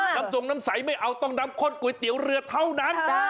น้ำจงน้ำใสไม่เอาต้องน้ำข้นก๋วยเตี๋ยวเรือเท่านั้น